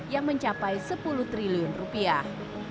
yang mencapai sepuluh triliun rupiah